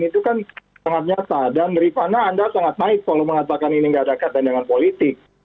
itu kan sangat nyata dan rifana anda sangat baik kalau mengatakan ini tidak ada kata kata dengan politik